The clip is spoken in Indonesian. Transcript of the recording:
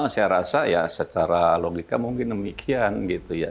saya rasa ya secara logika mungkin demikian gitu ya